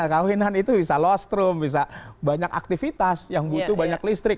kawinan itu bisa lostroom bisa banyak aktivitas yang butuh banyak listrik